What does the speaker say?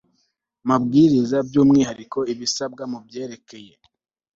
mabwiriza by umwihariko ibisabwa mu byerekeye